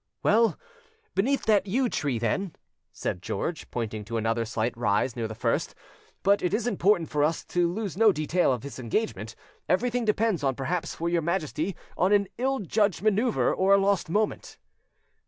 "Well, beneath that yew tree, then," said George, pointing to another slight rise near the first; "but it is important for us to lose no detail of this engagement. Everything depends perhaps for your Majesty on an ill judged manoeuvre or a lost moment."